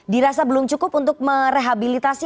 dirasa belum cukup untuk merehabilitasi